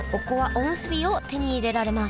おむすびを手に入れられます